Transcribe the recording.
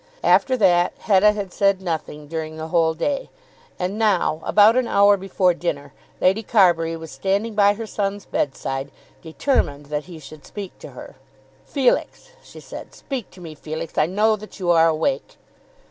After that Hetta had said nothing during the whole day. And now, about an hour before dinner, Lady Carbury was standing by her son's bedside, determined that he should speak to her. "Felix," she said, "speak to me, Felix. I know that you are awake."